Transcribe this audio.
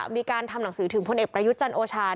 มีการทำหนังสือถึงพลเอกประยุจรรย์โอชาร